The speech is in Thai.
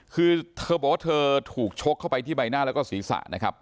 คือเธอบอกว่าเธอถูกชกเข้าไปที่ใบหน้าแล้วก็ศีรษะนะครับ